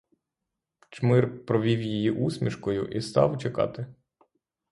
Чмир провів її усмішкою і став чекати.